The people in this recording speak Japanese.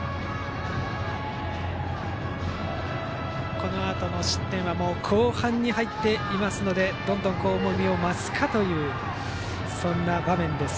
このあとの失点は後半に入っていますのでどんどん重みを増すかという場面です。